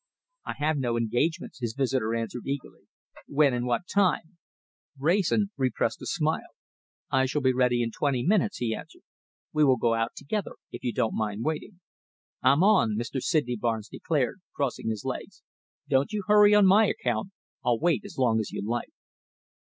"I have no engagements," his visitor answered eagerly. "When and what time?" Wrayson repressed a smile. "I shall be ready in twenty minutes," he answered. "We will go out together if you don't mind waiting." "I'm on," Mr. Sydney Barnes declared, crossing his legs. "Don't you hurry on my account. I'll wait as long as you like."